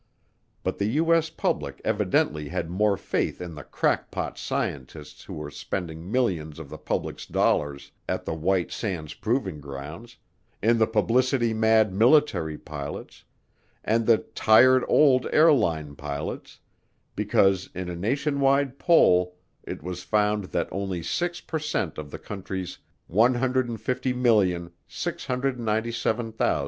But the U.S. public evidently had more faith in the "crackpot" scientists who were spending millions of the public's dollars at the White Sands Proving Grounds, in the "publicity mad" military pilots, and the "tired, old" airline pilots, because in a nationwide poll it was found that only 6 per cent of the country's 150,697,361 people agreed with the colonel and said, "There aren't such things."